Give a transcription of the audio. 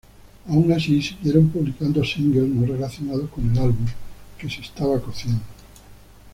Aun así siguieron publicando singles no relacionados con el álbum que se estaba cociendo.